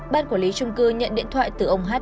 bác quản lý trung cư nhận điện thoại từ ông hát